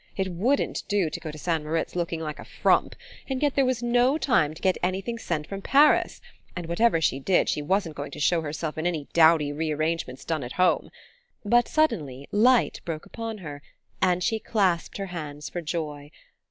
It wouldn't do to go to St. Moritz looking like a frump, and yet there was no time to get anything sent from Paris, and, whatever she did, she wasn't going to show herself in any dowdy re arrangements done at home. But suddenly light broke on her, and she clasped her hands for joy.